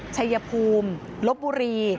ชัยภูมิลบบุรี